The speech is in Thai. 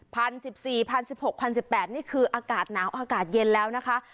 สิบสี่พันสิบหกพันสิบแปดนี่คืออากาศหนาวอากาศเย็นแล้วนะคะ